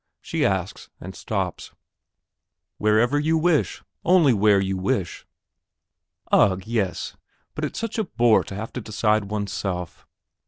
she asks, and stops. "Wherever you wish; only where you wish." "Ugh, yes! but it's such a bore to have to decide oneself."